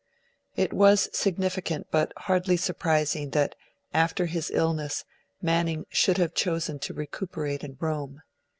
It was significant, but hardly surprising, that, after his illness, Manning should have chosen to recuperate in Rome.